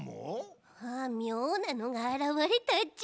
みょうなのがあらわれたち。